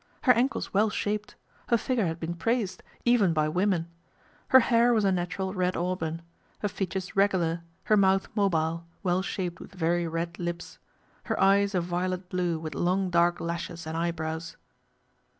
Her ankles well shaped. Her figure had been praised, even by women. Her hair was a natural red auburn. Her features regular, her mouth mobile, well shaped with very red lips. Her eyes a violet blue with long dark lashes and eyebrows.